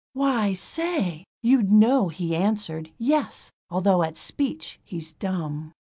Why, say! You'd know he answered "Yes," although at speech he's dumb.